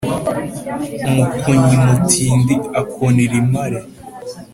umukunnyi mutindi akunira impare.